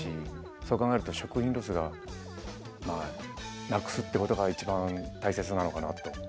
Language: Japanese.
そう考えると食品ロスがまあなくすっていうことが一番大切なのかなと。